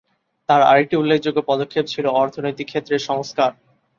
তাঁর আরেকটি উল্লেখযোগ্য পদক্ষেপ ছিল অর্থনৈতিক ক্ষেত্রে সংস্কার।